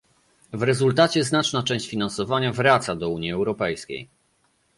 W rezultacie znaczna część finansowania wraca do Unii Europejskiej